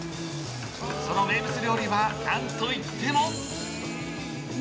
その名物料理は、何といっても。